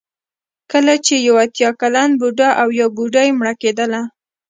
کله چې یو اتیا کلن بوډا او یا بوډۍ مړه کېدله.